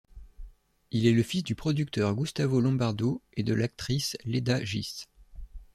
Il est le fils du producteur Gustavo Lombardo et de l'actrice Leda Gys.